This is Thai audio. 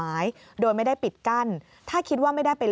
ท่านก็ให้เกียรติผมท่านก็ให้เกียรติผม